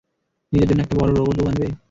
নিজের জন্য একটা বড় রোবট বউ আনবে?